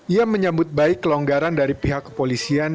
ia menyambut baik kelonggaran dari pihak kepolisian